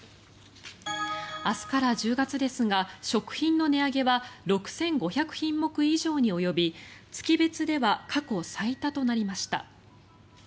明日から１０月ですが食品の値上げは６５００品目以上に及び月別では過去最多となりました。